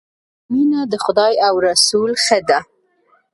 مینه د خدای او رسول ښه ده